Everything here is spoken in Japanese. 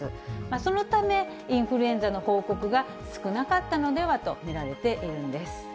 そのため、インフルエンザの報告が少なかったのではと見られているんです。